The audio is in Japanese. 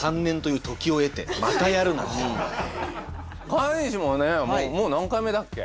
川西もねもう何回目だっけ？